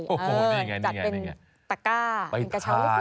นี่ไงจัดเป็นตะกร้าเป็นกระเช้าบุฟเฟ่